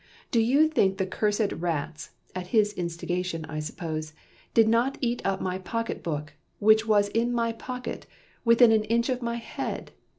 Do you think the cursed rats (at his instigation I suppose) did not eat up my pocket book, which was in my pocket, within an inch of my head?